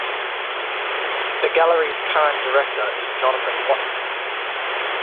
The gallery's current director is Jonathan Watkins.